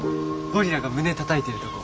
ゴリラが胸たたいてるとこ。